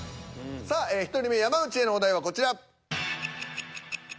さあ１人目山内へのお題はこちら。